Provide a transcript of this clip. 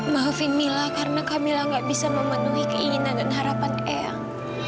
maafin mila karena kamila gak bisa memenuhi keinginan dan harapan eang